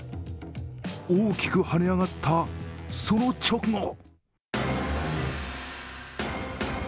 大きく跳ね上がったその直後